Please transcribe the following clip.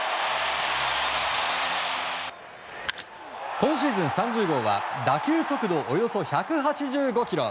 今シーズン３０号は打球速度およそ１８５キロ